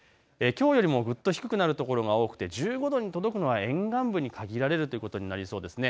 きょうよりもぐっと低くなる所が多くて１５度に届くのは沿岸部に限られるということになりそうですね。